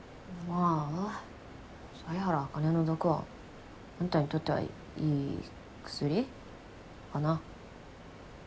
まあ犀原茜の毒はあんたにとってはいい薬？かな。